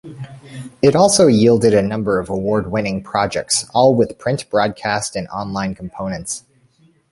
It also yielded a number of award-winning projects-all with print, broadcast, and online components.